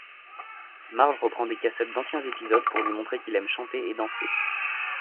Marge reprend des cassettes d'anciens épisodes pour lui montrer qu'il aime chanter et danser.